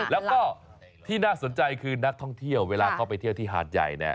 แล้วก็ที่น่าสนใจคือนักท่องเที่ยวเวลาเขาไปเที่ยวที่หาดใหญ่